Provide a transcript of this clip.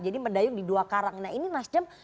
jadi mendayung di dua karang nah ini nasjem